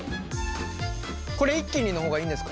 これ一気にの方がいいんですか？